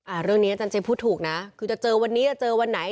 เรื่องนี้อาจารย์เจมสพูดถูกนะคือจะเจอวันนี้จะเจอวันไหน